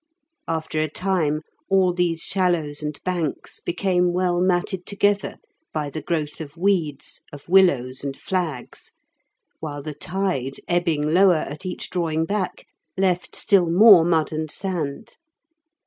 After a time all these shallows and banks became well matted together by the growth of weeds, of willows, and flags, while the tide, ebbing lower at each drawing back, left still more mud and sand.